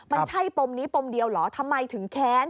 มันใช่ปมนี้ปมเดียวเหรอทำไมถึงแค้น